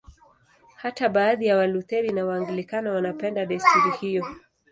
Hata baadhi ya Walutheri na Waanglikana wanapenda desturi hiyo.